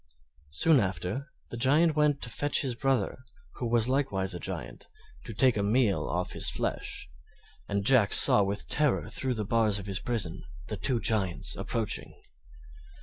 Soon after, the Giant went to fetch his brother, who was likewise a Giant, to take a meal off his flesh, and Jack saw with terror through the bars of his prison the two Giants approaching.